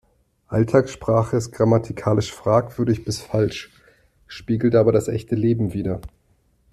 Alltagssprache ist grammatikalisch fragwürdig bis falsch, spiegelt aber das echte Leben wider.